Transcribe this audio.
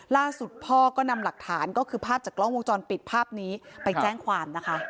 ล่าสุดพ่อก็นำหลักฐานก็คือภาพจากกล้องวงจรปิดภาพนี้ไปแจ้งความนะคะ